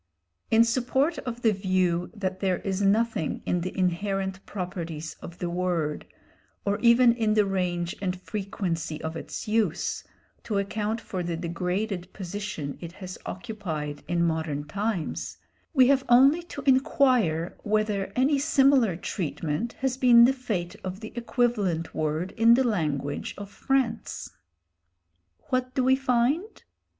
In support of the view that there is nothing in the inherent properties of the word, or even in the range and frequency of its use, to account for the degraded position it has occupied in modern times, we have only to inquire whether any similar treatment has been the fate of the equivalent word in the language of France. What do we find?